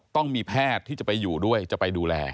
ต้องมีแพทย์ที่จะไปอยู่ด้วยจะไปดูแล